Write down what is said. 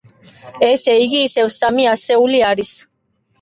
ესე იგი, ისევ სამი ასეული არის.